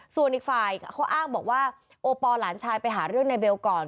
ส่วนอีกฝ่ายเขาอ้างบอกว่าโอปอลหลานชายไปหาเรื่องในเบลก่อน